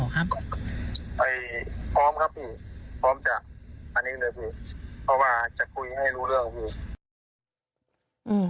พร้อมครับพี่พร้อมจากเขาขอว่าจะคุยให้รู้เรื่อง